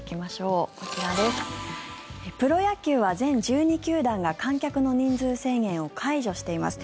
プロ野球は全１２球団が観客の人数制限を解除しています。